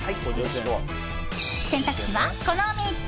選択肢は、この３つ！